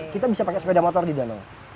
kita bisa pakai sepeda motor di danau